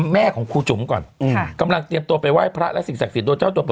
แม่ของครูจุ๋มก่อนกำลังเตรียมตัวไปไหว้พระและสิ่งศักดิ์โดยเจ้าตัวบอก